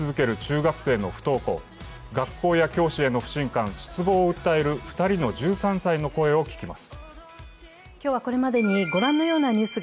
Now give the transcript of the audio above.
学校や教師への不信感、失望を訴える２人の１３歳の声を聞きます。